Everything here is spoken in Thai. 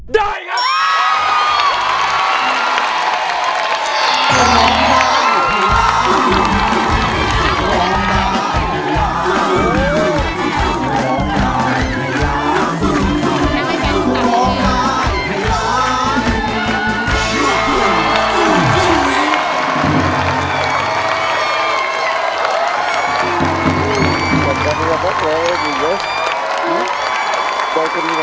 ได้ครับ